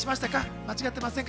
間違っていませんか？